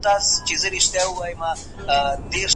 اقتصاد تل د بدلون په حال کي دی.